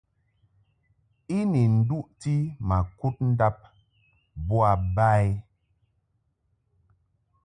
I ni nduʼti ma kud ndab bo ba i.